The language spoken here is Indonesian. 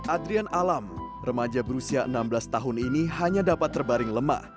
adrian alam remaja berusia enam belas tahun ini hanya dapat terbaring lemah